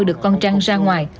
được con trăng ra ngoài